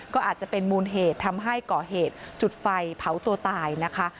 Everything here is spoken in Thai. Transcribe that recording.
ก็อาจจะเป็นมูลเหตุทำให้ก่อเหตุจุดไฟเผาตัวตายนะคะ